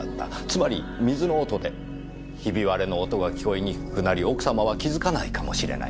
つまり水の音でひび割れの音は聞こえにくくなり奥様は気づかないかもしれない。